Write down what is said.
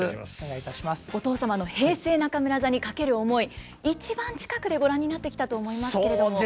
お父様の平成中村座に懸ける思い一番近くでご覧になってきたと思いますけれども。